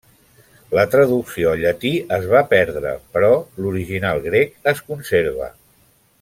La traducció al llatí es va perdre però l'original grec es conserva.